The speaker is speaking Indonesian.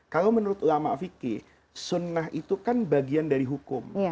kalau menurut ulama fikih sunnah itu kan bagian dari hukum